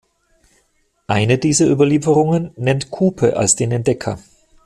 Eine dieser Überlieferungen nennt Kupe als den Entdecker.